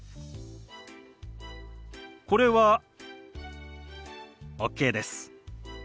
これはＯＫです。